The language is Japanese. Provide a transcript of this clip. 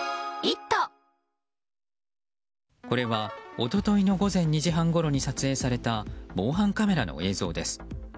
これは一昨日の午前２時半ごろに撮影された防犯カメラの映像です。